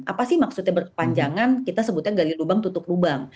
apa sih maksudnya berkepanjangan kita sebutnya gali lubang tutup lubang